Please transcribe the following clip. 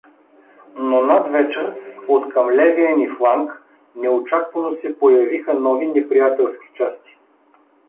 Но надвечер откъм левия ни фланг неочаквано се появиха нови неприятелски части.